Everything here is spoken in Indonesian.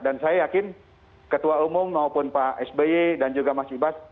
dan saya yakin ketua umum maupun pak sby dan juga mas ibas